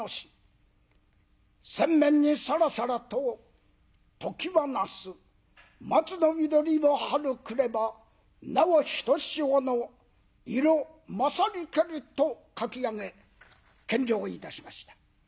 扇面にさらさらと「ときはなす松のみどりも春くればなおひとしほの色まさりけり」と書き上げ献上いたしました。